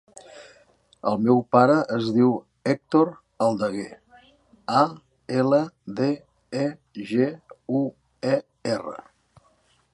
El meu pare es diu Hèctor Aldeguer: a, ela, de, e, ge, u, e, erra.